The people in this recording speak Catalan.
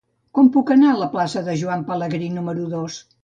Com puc anar a la plaça de Joan Pelegrí número dos?